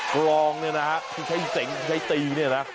กรองนี่นะครับที่ใช้เสียงที่ใช้ตีนี่นะ